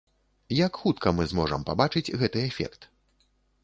Як хутка мы зможам пабачыць гэты эфект?